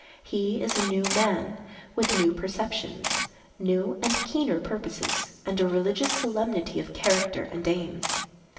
He is a new man, with new perceptions, new and keener purposes, and a religious solemnity of character and aims.